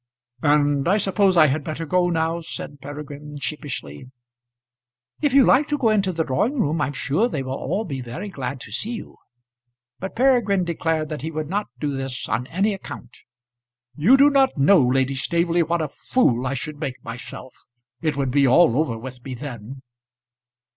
"And I suppose I had better go now?" said Peregrine sheepishly. "If you like to go into the drawing room, I'm sure they will all be very glad to see you." But Peregrine declared that he would not do this on any account. "You do not know, Lady Staveley, what a fool I should make myself. It would be all over with me then."